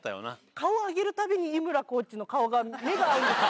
顔を上げるたびに井村コーチの顔が、目が合うんですよ。